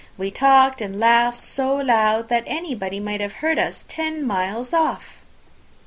we talked and laughed so loud, that anybody might have heard us ten miles off!"